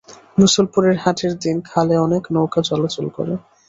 রসুলপুরের হাটের দিন খালে অনেক নৌকা চলাচল করে।